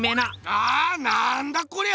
ああっなんだこりゃ